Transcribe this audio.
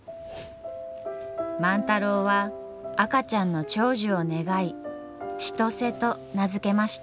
万太郎は赤ちゃんの長寿を願い千歳と名付けました。